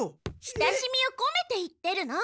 親しみをこめて言ってるの。